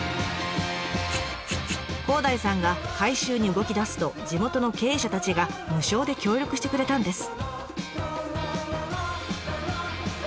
広大さんが回収に動きだすと地元の経営者たちが無償で協力してくれたんです。